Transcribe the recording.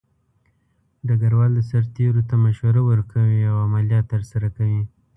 ډګروال د سرتیرو ته مشوره ورکوي او عملیات ترسره کوي.